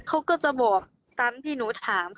เขาก็จะบอกตามที่หนูถาม